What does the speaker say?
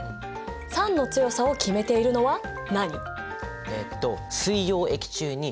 酸の強さを決めているのは何？